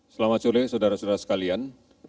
selamat sore saudara saudara sekalian